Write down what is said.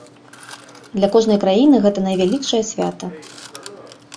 Для кожнай краіны гэта найвялікшае свята.